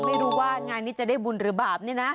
ไม่รู้ว่างานนี้จะได้บุญหรือบาปนี่นะ